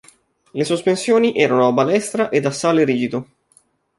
Le sospensioni erano a balestra ed assale rigido.